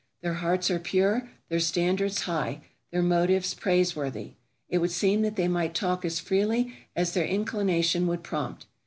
Their hearts are pure, their standards high, their motives praiseworthy. It would seem that they might talk as freely as their inclination would prompt.